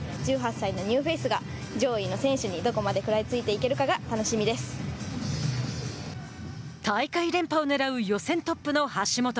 １８歳のニューフェイスが上位の選手にどこまで食らいついていけるかが大会連覇をねらう予選トップの橋本。